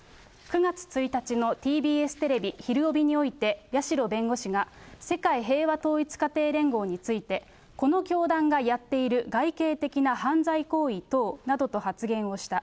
９月１日のＴＢＳテレビひるおびにおいて、八代弁護士が、世界平和統一家庭連合について、この教団がやっている外形的な犯罪行為等などと発言をした。